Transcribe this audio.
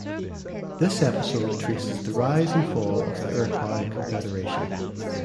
This episode traces the rise and fall of the Iroquois confederation.